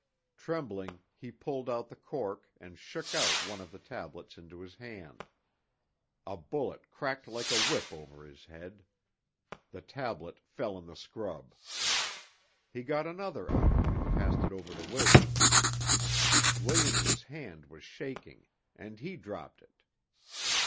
Trembling, he pulled out the cork and shook out one of the tablets into his hand; a bullet cracked like a whip over his head; the tablet fell in the scrub. He got another out and passed it over to Williams. Williams's hand was shaking, and he dropped it.